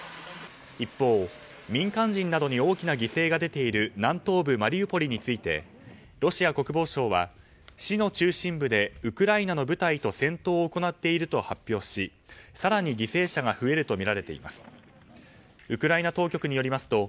一方、民間人などに大きな犠牲が出ている南東部マリウポリについてロシア国防省は市の中心部でウクライナの部隊と戦闘を行っていると発表し更に犠牲者が増えるとみられています。